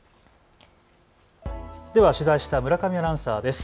では取材した村上アナウンサーです。